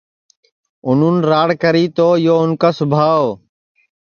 اُنون راڑ کری تو یو اُن کا سوبھاو